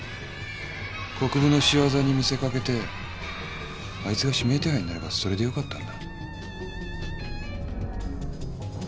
国府の仕業に見せかけてあいつが指名手配になればそれでよかったんだ。